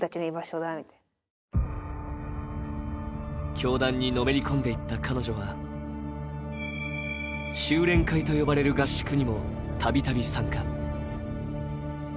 教団にのめり込んでいった彼女は、修練会と呼ばれる合宿にもたびたび参加。